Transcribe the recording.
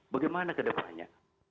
bagaimana ke depannya